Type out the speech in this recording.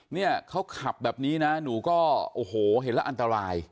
เนี่ยเขาขับแบบนี้นะหนูก็โอ้โหเห็นแล้วอันตราย